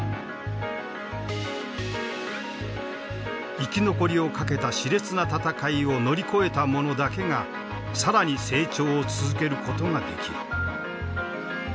生き残りをかけたしれつな戦いを乗り越えたものだけが更に成長を続けることができる。